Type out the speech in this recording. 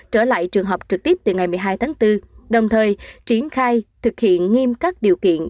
trở lại trường học trực tiếp từ ngày một mươi hai tháng bốn đồng thời triển khai thực hiện nghiêm các điều kiện